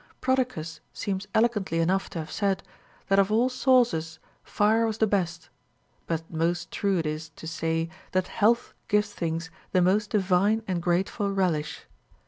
Prodicus seems elegantly enough to have said, that of all sauces fire was the best ; but most true it is to say, that health gives things the most divine and grateful relish.